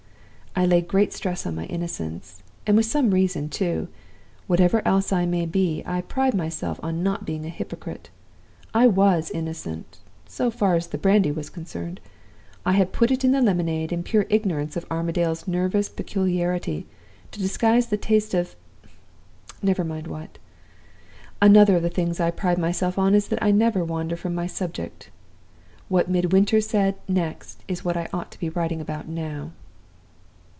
'" ["I laid a great stress on my innocence and with some reason too. Whatever else I may be, I pride myself on not being a hypocrite. I was innocent so far as the brandy was concerned. I had put it into the lemonade, in pure ignorance of Armadale's nervous peculiarity, to disguise the taste of never mind what! Another of the things I pride myself on is that I never wander from my subject. What Midwinter said next is what I ought to be writing about now."